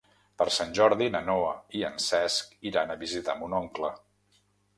Per Sant Jordi na Noa i en Cesc iran a visitar mon oncle.